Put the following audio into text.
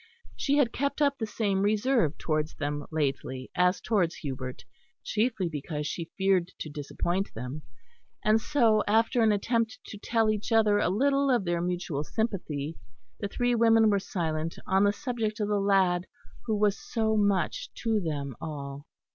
She had kept up the same reserve towards them lately as towards Hubert, chiefly because she feared to disappoint them; and so after an attempt to tell each other a little of their mutual sympathy, the three women were silent on the subject of the lad who was so much to them all.